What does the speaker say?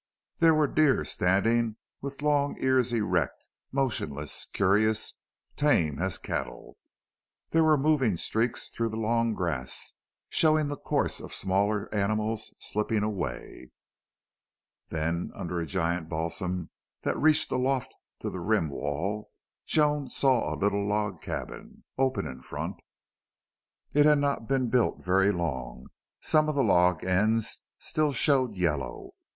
There were deer standing with long ears erect, motionless, curious, tame as cattle. There were moving streaks through the long grass, showing the course of smaller animals slipping away. Then under a giant balsam, that reached aloft to the rim wall, Joan saw a little log cabin, open in front. It had not been built very long; some of the log ends still showed yellow.